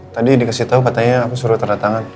tadi dikasih tau katanya aku suruh ternyata